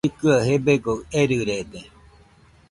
Llɨkɨaɨ gebegoɨ erɨrede.